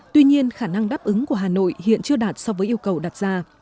tuy nhiên khả năng đáp ứng của hà nội hiện chưa đạt so với yêu cầu đặt ra